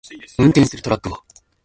運転するトラックを